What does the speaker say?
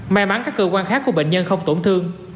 may mắn các cơ quan khác của bệnh nhân không tổn thương